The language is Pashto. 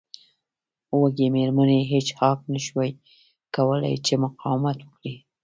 وږې میرمن هیج هاګ نشوای کولی چې مقاومت وکړي